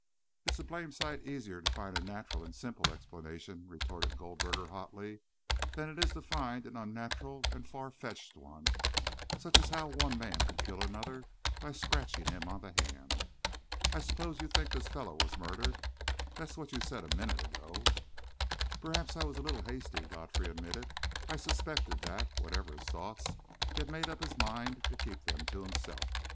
"It's a blamed sight easier to find a natural and simple explanation," retorted Goldberger hotly, "than it is to find an unnatural and far fetched one such as how one man could kill another by scratching him on the hand. I suppose you think this fellow was murdered? That's what you said a minute ago." "Perhaps I was a little hasty," Godfrey admitted, and I suspected that, whatever his thoughts, he had made up his mind to keep them to himself.